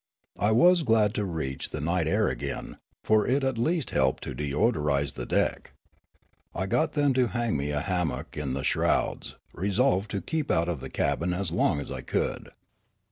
I was glad to reach the night air again, for it at least helped to deodorise the deck. I got them to hang me a hammock in the shrouds, resolved to keep out of the cabin as long as I could.